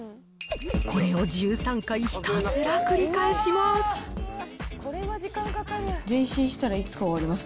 これを１３回、ひたすら繰り返します。